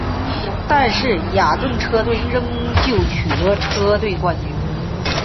但是雅顿车队仍旧取得车队冠军。